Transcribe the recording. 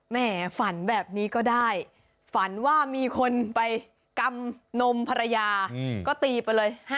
แม่ฝันแบบนี้ก็ได้ฝันว่ามีคนไปกำนมภรรยาก็ตีไปเลย